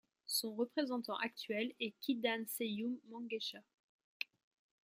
Son représentant actuel est Kidane Seyoum Mengesha.